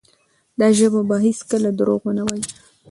دا ژبه به هیڅکله درواغ ونه وایي.